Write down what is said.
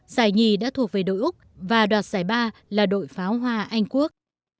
giải nhì đã thuộc về đội úc và đoạt giải ba là đội pháo hoa anh quốc